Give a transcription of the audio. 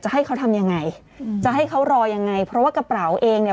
ให้เขาทำยังไงอืมจะให้เขารอยังไงเพราะว่ากระเป๋าเองเนี่ย